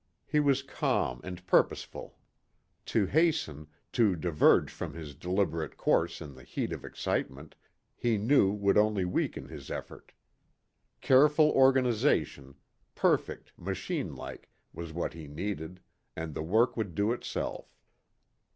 He was calm and purposeful. To hasten, to diverge from his deliberate course in the heat of excitement, he knew would only weaken his effort. Careful organization, perfect, machine like, was what he needed, and the work would do itself.